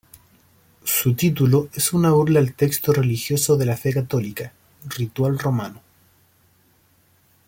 Su título es una burla al texto religioso de la fe católica, Ritual Romano.